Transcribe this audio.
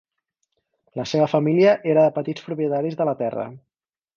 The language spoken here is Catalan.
La seva família era de petits propietaris de la terra.